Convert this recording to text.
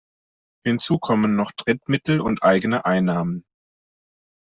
Hinzu kommen noch Drittmittel und eigene Einnahmen.